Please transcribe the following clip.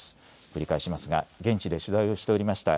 繰り返しますが現地で取材をしておりました